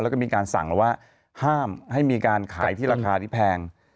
แล้วก็มีการสั่งแล้วว่าห้ามให้มีการขายที่ราคาที่แพง